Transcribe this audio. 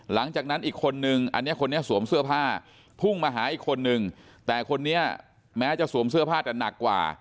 หลังจากนั้นอีกคนนึงอันนี้คนนี้สวมเสื้อผ้าพุ่งมาหาอีกคนนึงแต่คนนี้แม้จะสวมเสื้อผ้าแต่หนักกว่า